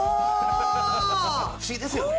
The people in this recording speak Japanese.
不思議ですよね。